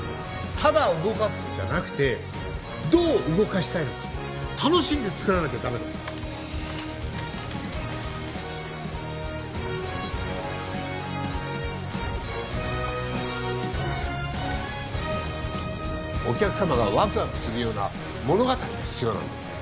ただ動かすんじゃなくてどう動かしたいのか楽しんで作らなきゃダメだよしっお客様がワクワクするような物語が必要なんだ